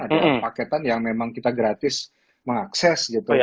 ada paketan yang memang kita gratis mengakses gitu